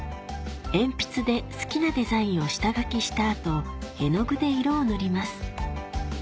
鉛筆で好きなデザインを下描きした後絵の具で色を塗ります